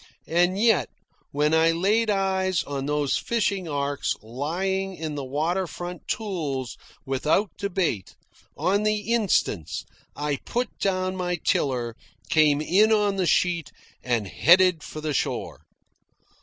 And yet, when I laid eyes on those fishing arks lying in the water front tules, without debate, on the instant, I put down my tiller, came in on the sheet, and headed for the shore.